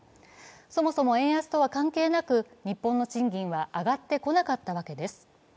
そもそも円安とは関係なく日本の賃金は上がってこなかったわけです。